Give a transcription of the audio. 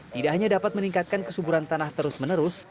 tidak hanya dapat meningkatkan kesuburan tanah terus menerus